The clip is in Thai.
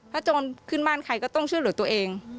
โจรขึ้นบ้านใครก็ต้องช่วยเหลือตัวเอง